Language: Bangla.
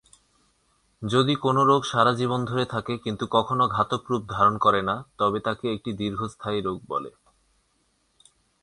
যদি কোনও রোগ সারা জীবন ধরে থাকে কিন্তু কখনও ঘাতক রূপ ধারণ করে না, তবে তাকে একটি দীর্ঘস্থায়ী রোগ বলে।